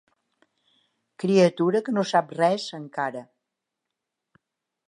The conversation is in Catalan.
Criatura que no sap res, encara.